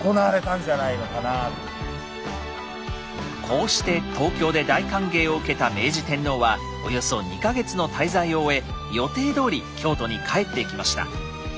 こうして東京で大歓迎を受けた明治天皇はおよそ２か月の滞在を終え予定どおり京都に帰っていきました。